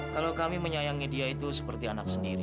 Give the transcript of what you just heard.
kalau kami menyayangi dia itu seperti anak sendiri